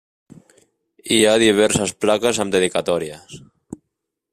Hi ha diverses plaques amb dedicatòries.